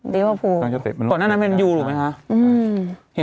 เลเวอร์ฟูร์ตอนนั้นเป็นยูลหมั้ยค่ะอืม